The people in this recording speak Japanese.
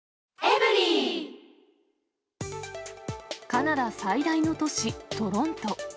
カナダ最大の都市、トロント。